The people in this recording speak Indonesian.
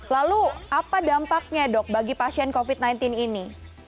lalu apa dampaknya dok bagi pasien covid sembilan belas ini